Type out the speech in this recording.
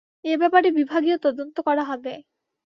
এ ব্যাপারে বিভাগীয় তদন্ত করা হবে।